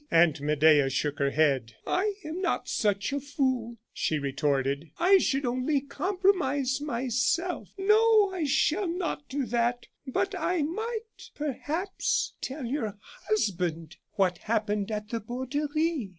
Aunt Medea shook her head. "I am not such a fool," she retorted. "I should only compromise myself. No, I shall not do that; but I might, perhaps, tell your husband what happened at the Borderie."